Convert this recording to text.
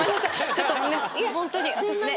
ちょっとねっホントに私ね